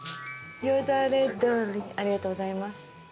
ありがとうございます。